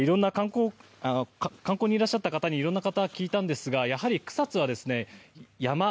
観光にいらっしゃったいろんな方に聞いたんですがやはり草津は山。